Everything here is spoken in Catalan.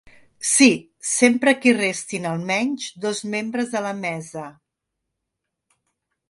Sí, sempre que hi restin almenys dos membres de la mesa.